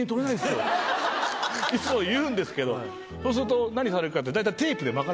いつも言うんですけどそうすると何されるかって大体。